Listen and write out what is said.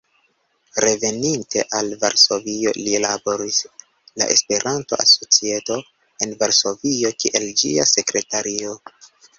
Reveninte al Varsovio, li laboris por la Esperanto-Societo en Varsovio kiel ĝia sekretario.